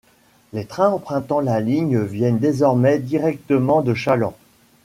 Les trains empruntant la ligne viennent désormais directement de Challans.